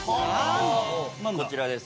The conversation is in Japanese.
こちらです